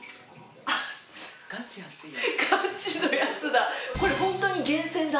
ガチのやつだ